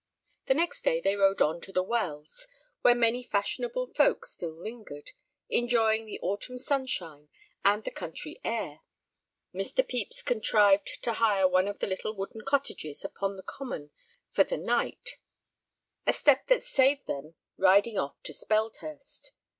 The next day they rode on to The Wells, where many fashionable folk still lingered, enjoying the autumn sunshine and the country air. Mr. Pepys contrived to hire one of the little wooden cottages upon The Common for the night, a step that saved them riding off to Speldhurst.